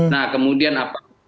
nah kemudian apa